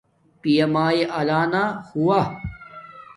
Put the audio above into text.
پیامایے الانا ہوا